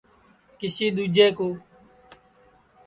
کسی ۮوجے کُﯡ